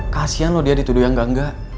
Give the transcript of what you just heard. kasihan lo dia dituduh yang engga engga